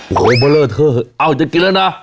โห้เมล็ดเท่าไหร่เอาจะกินแล้วนะ